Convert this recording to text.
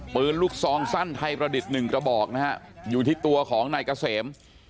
ปืนลูกซองสั้นไทยประดิษฐ์หนึ่งกระบอกนะฮะอยู่ที่ตัวของนายเกษม